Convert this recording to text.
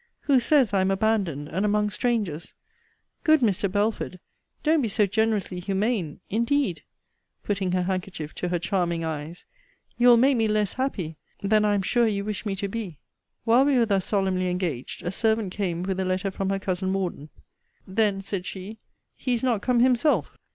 Who says I am abandoned, and among strangers? Good Mr. Belford, don't be so generously humane! Indeed [putting her handkerchief to her charming eyes,] you will make me less happy, than I am sure you wish me to be. While we were thus solemnly engaged, a servant came with a letter from her cousin Morden: Then, said she, he is not come himself!